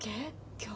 今日。